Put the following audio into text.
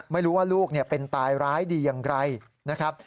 ไม่รู้ว่าลูกเป็นตายร้ายดีอย่างไรนะครับ